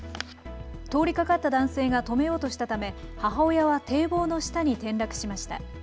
通りかかった男性が止めようとしたため母親は堤防の下に転落しました。